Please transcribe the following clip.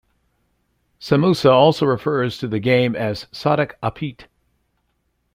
Samusah also refers to the game as Sodok Apit.